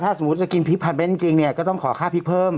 ถ้าสมมติจะกินพริกพันเมตรจริงก็ต้องขอค่าพริกเพิ่ม